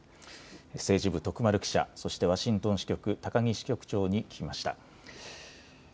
政治部、徳丸記者、そしてワシントン支局、高木支局長に聞きました。